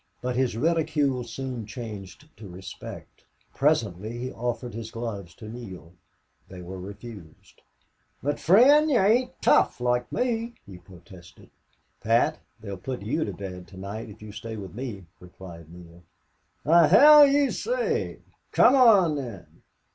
But his ridicule soon changed to respect. Presently he offered his gloves to Neale. They were refused. "But, fri'nd, ye ain't tough loike me," he protested. "Pat, they'll put you to bed to night if you stay with me," replied Neale. "The hell ye say! Come on, thin!"